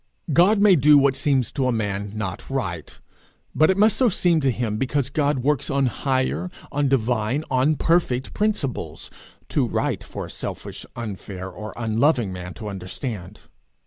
God may do what seems to a man not right, but it must so seem to him because God works on higher, on divine, on perfect principles, too right for a selfish, unfair, or unloving man to understand.